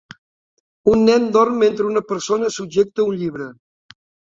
Un nen dorm mentre una persona subjecta un llibre.